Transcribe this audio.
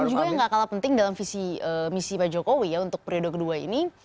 dan juga yang gak kalah penting dalam visi misi pak jokowi untuk periode kedua ini